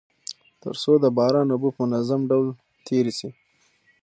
تر څو د باران اوبه په منظم ډول تيري سي.